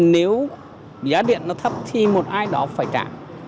nếu giá điện nó thấp thì một ai đó phải trả